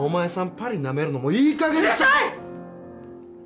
パリなめるのもいい加減うるさい！